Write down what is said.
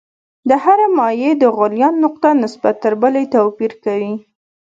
د هرې مایع د غلیان نقطه نسبت تر بلې توپیر کوي.